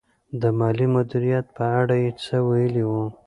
د مالي مدیریت په اړه یې څه ویلي وو؟